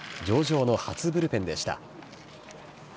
上々の初ブルペンでした。